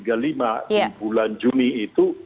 di bulan juni itu